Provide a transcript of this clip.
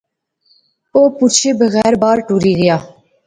او پچھے بغیر بار ٹُری غیا